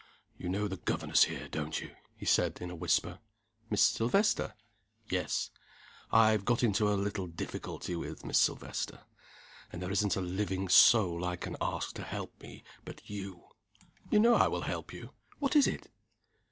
"You know the governess here, don't you?" he said, in a whisper. "Miss Silvester?" "Yes. I've got into a little difficulty with Miss Silvester. And there isn't a living soul I can ask to help me but you." "You know I will help you. What is it?"